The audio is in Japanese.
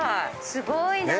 すごいな。